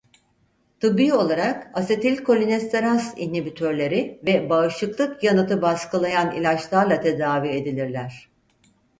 Tıbbi olarak asetilkolinesteraz inhibitörleri ve bağışıklık yanıtı baskılayan ilaçlarla tedavi edilirler.